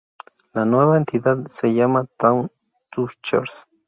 La nueva entidad se llama Twann-Tüscherz.